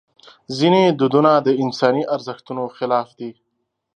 ځینې دودونه د انساني ارزښتونو خلاف دي.